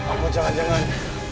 aku jangan jangan